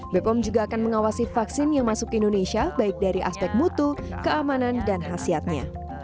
bepom juga akan mengawasi vaksin yang masuk ke indonesia baik dari aspek mutu keamanan dan hasilnya